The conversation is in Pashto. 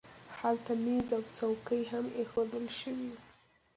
هلته مېز او څوکۍ هم اېښودل شوي وو